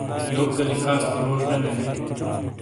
یوک گا لیکھاس تو روش تو نے بے نے؟